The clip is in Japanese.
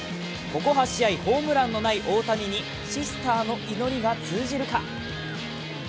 ここ８試合、ホームランのない大谷にシスターの祈りが通じるか。